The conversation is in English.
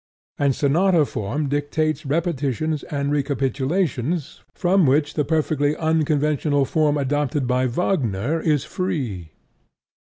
And sonata form dictates repetitions and recapitulations from which the perfectly unconventional form adopted by Wagner is free.